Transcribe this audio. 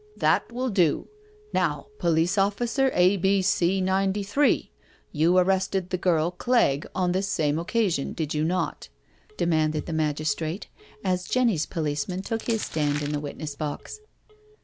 •• That will do. Now, Police officer A. B. C. 93, you arrested the girl Clegg on this same occasion, did you not?" demanded the magistrate, as Jenny's policeman took his stand in the witness box.